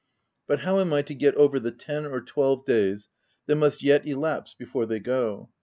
But how am I to get over the ten or twelve days that must yet elapse before they go?